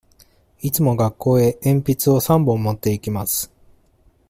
いつも学校へ鉛筆を三本持って行きます。